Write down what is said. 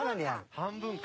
半分か。